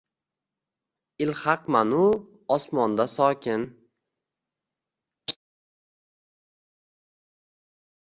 Ilhaqman-u, osmon-da sokin.